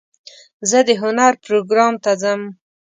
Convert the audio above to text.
زه د هنر پروګرام ته ځم.